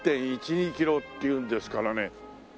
１．１２キロっていうんですからね